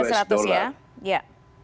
sudah seratus ya